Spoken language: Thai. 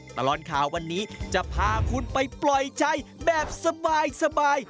ตลอดข่าววันนี้จะพาคุณไปปล่อยใจแบบสบาย